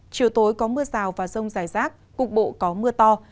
chiều tối có mưa rào và rông rải rác cục bộ có mưa to